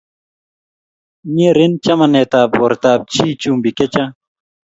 Nyeren chamanet bortab chii chumbik che chang'